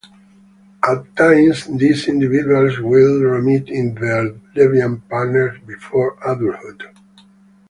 At times, these individuals will remit in their deviant patterns before adulthood.